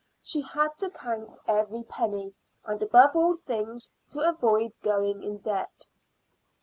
She had to count every penny, and, above all things, to avoid going in debt.